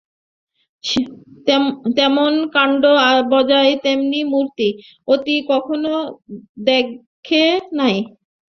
তেমন কান্ড, জয়ার তেমন মূর্তি, মতি কখনো দ্যাখে নাই।